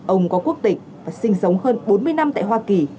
ông có quốc tịch và sinh sống hơn bốn mươi năm tại hoa kỳ